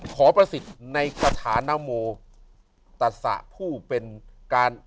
ขอประสิทธิ์ในคาถาน้อมน้อมโหมตัดสระผู้เป็นการ